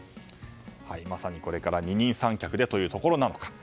まさにこれから二人三脚でというところなのか。